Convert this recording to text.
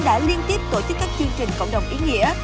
đã liên tiếp tổ chức các chương trình cộng đồng ý nghĩa